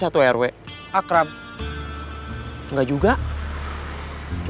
bener aman saya kalau kesitu